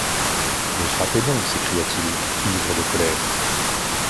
Mais frappez donc ! s'écria-t-il, ivre de colère.